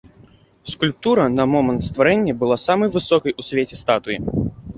Скульптура на момант стварэння была самай высокай у свеце статуі.